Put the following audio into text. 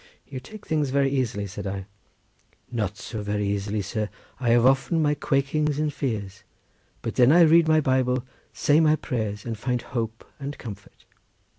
"You take things very easily," said I. "Not so very easily, sir; I have often my quakings and fears, but then I read my Bible, say my prayers, and find hope and comfort."